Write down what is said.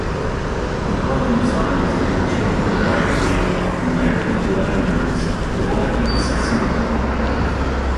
McCarthy resigned as leader shortly thereafter, and Larry Gillanders was elected to succeed her.